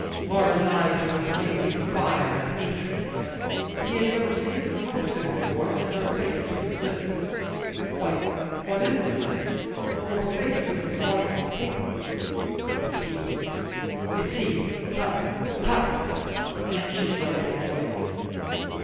Laura's eyes were blazing fire and hatred; he had never seen her look so before; and her face, was livid. "Why, what is it, sis? Your face is as white as paper." "It's he, it's he. Come, come," and she dragged him away.